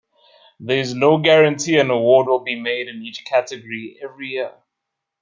There is no guarantee an award will be made in each category every year.